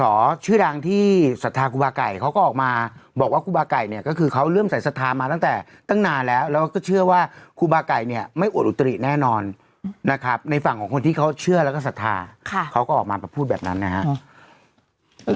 ชื่อดังที่ศรัทธาครูบาไก่เขาก็ออกมาบอกว่าครูบาไก่เนี่ยก็คือเขาเริ่มใส่สัทธามาตั้งแต่ตั้งนานแล้วแล้วก็เชื่อว่าครูบาไก่เนี่ยไม่อวดอุตริแน่นอนนะครับในฝั่งของคนที่เขาเชื่อแล้วก็ศรัทธาเขาก็ออกมาพูดแบบนั้นนะครับ